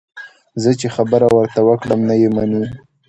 زه چې خبره ورته وکړم، نه یې مني.